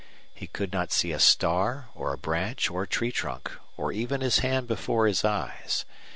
He could not see a star or a branch or tree trunk or even his hand before his eyes.